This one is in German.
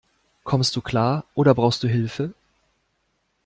Kommst du klar, oder brauchst du Hilfe?